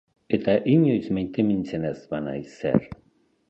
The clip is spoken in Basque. Eta inoiz maitemintzen ez banaiz, zer?